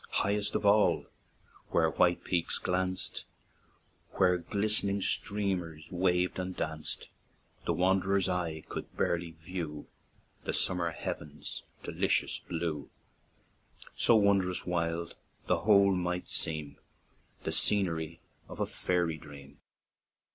Highest of all, where white peaks glanced, Where glist'ning streamers waved and danced, The wanderer's eye could barely view The summer heaven's delicious blue; So wondrous wild, the whole might seem The scenery of a fairy dream."